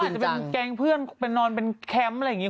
อาจจะเป็นแก๊งเพื่อนไปนอนเป็นแคมป์อะไรอย่างนี้